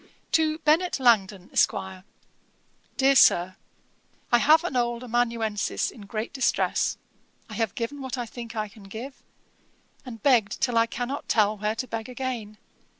'To BENNET LANGTON, ESQ. 'DEAR SIR, 'I have an old amanuensis in great distress. I have given what I think I can give, and begged till I cannot tell where to beg again.